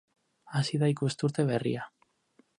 Hasi da ikasturte berria.